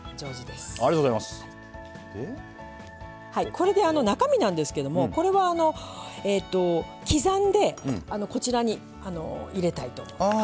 これで中身なんですけどもこれはあの刻んでこちらに入れたいと思います。